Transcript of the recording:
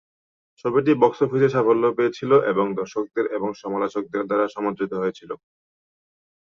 ছবিটি বক্স অফিসে সাফল্য পেয়েছিল এবং দর্শকদের এবং সমালোচকদের দ্বারা সমাদৃত হয়েছিল।